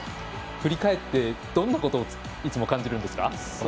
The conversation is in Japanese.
振り返って、どんなことをいつも感じるんですか？